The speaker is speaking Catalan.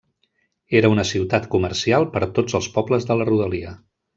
Era una ciutat comercial per a tots els pobles de la rodalia.